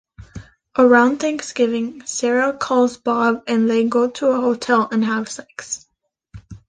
Around Thanksgiving Sarah calls Bob and they go to a hotel and have sex.